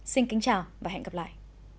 xin kính chào và hẹn gặp lại